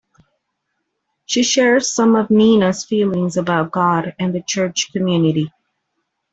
She shares some of Ninah's feelings about God and the church community.